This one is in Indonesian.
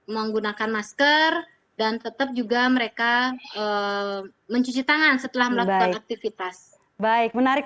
menggunakan masker dan tetap juga mereka mencuci tangan setelah melakukan aktivitas baik menarik